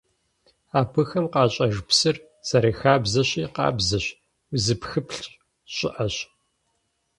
Абыхэм къащӀэж псыр, зэрыхабзэщи, къабзэщ, узыпхыплъщ, щӀыӀэщ.